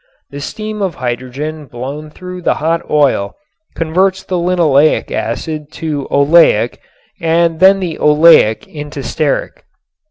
The stream of hydrogen blown through the hot oil converts the linoleic acid to oleic and then the oleic into stearic.